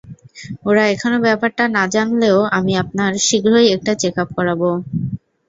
ওরা এখনও ব্যাপারটা না জানলেও আমি আপনার শীঘ্রই একটা চেকআপ করাবো।